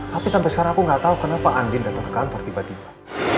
tapi sampai sekarang aku nggak tahu kenapa andin datang ke kantor tiba tiba